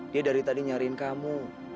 dia dari tadi nyariin kamu